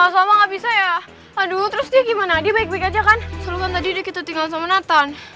sama nggak bisa ya aduh terus gimana dia baik baik aja kan selesai tadi kita tinggal sama nathan